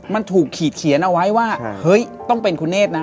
มันถูกขีดเขียนเอาไว้ว่าเฮ้ยต้องเป็นคุณเนธนะ